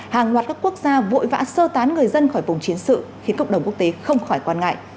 hàng loạt các quốc gia vội vã sơ tán người dân khỏi vùng chiến sự khiến cộng đồng quốc tế không khỏi quan ngại